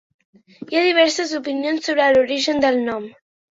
Hi ha diverses opinions sobre l'origen del nom.